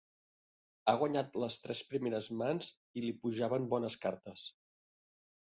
Ha guanyat les tres primeres mans i li pujaven bones cartes.